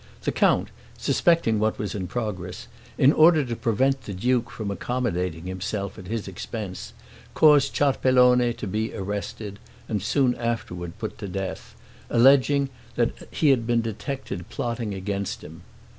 The count suspecting what was in progress, in order to prevent the duke from accommodating himself at his expense, caused Ciarpellone to be arrested, and soon afterward put to death; alleging that he had been detected plotting against him.